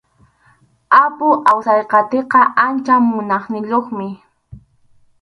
Apu Awsanqatiqa ancha munayniyuqmi.